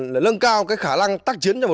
để lân cao khả năng tác chiến